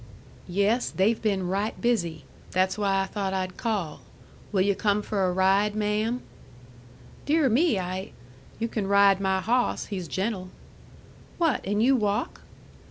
"Yes; they've been right busy. That's why I thought I'd call. Will yu' come for a ride, ma'am?" "Dear me! I " "You can ride my hawss. He's gentle." "What! And you walk?"